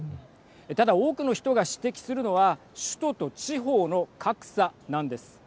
ただ、多くの人が指摘するのは首都と地方の格差なんです。